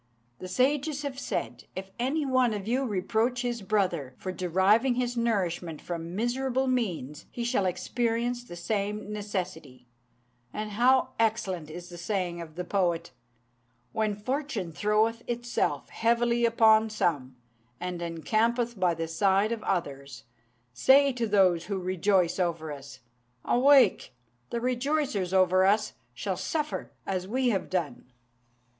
The sages have said, 'If any one of you reproach his brother for deriving his nourishment from miserable means, he shall experience the same necessity,' and how excellent is the saying of the poet "'When fortune throweth itself heavily upon some, and encampeth by the side of others, Say to those who rejoice over us, "Awake: the rejoicers over us shall suffer as we have done."'